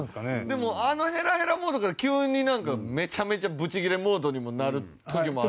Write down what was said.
でもあのヘラヘラモードから急になんかめちゃめちゃブチギレモードにもなる時も。